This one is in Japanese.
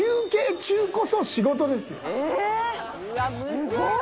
すごいな！」